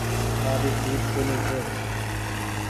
تآري سيٽ ڪونيٚ ڇي۔